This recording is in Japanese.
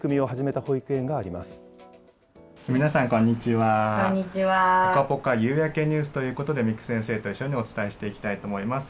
ぽかぽか夕焼けニュースということで、先生と一緒にお伝えしていきます。